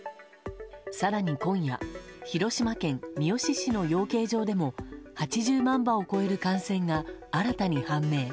更に今夜広島県三次市の養鶏場でも８０万羽を超える感染が新たに判明。